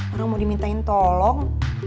orang mau dimintain tolong